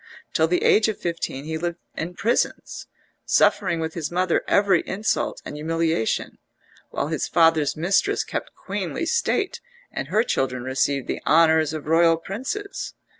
Till the age of fifteen he lived in prisons, suffering with his mother every insult and humiliation, while his father's mistress kept queenly state, and her children received the honours of royal princes.